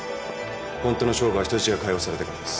本当の勝負は人質が解放されてからです。